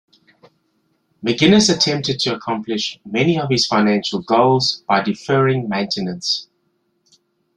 McGinnis attempted to accomplish many of his financial goals by deferring maintenance.